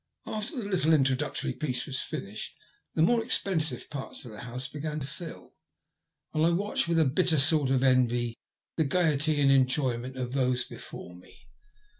After the little introductory piece was finished the more expensive parts of the house began to fill, and I watched with a bitter sort of envy the gaiety and enjoyment of those before me.